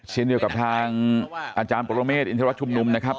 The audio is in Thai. เช่นเดียวกับทางอาจารย์ปรเมฆอินทรชุมนุมนะครับ